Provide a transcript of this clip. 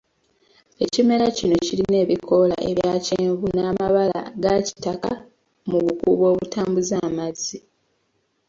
Ekimera kino kirina ebikoola ebya kyenvu n'amabala aga kitaka mu bukuubo obutambuza amazzi.